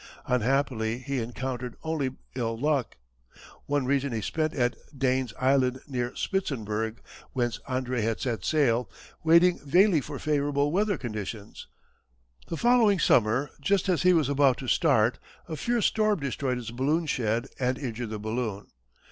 Unhappily he encountered only ill luck. One season he spent at Dane's Island, near Spitzenberg whence Andrée had set sail, waiting vainly for favourable weather conditions. The following summer, just as he was about to start, a fierce storm destroyed his balloon shed and injured the balloon.